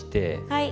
はい。